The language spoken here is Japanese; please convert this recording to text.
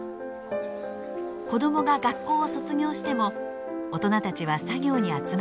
子どもが学校を卒業しても大人たちは作業に集まってくるのです。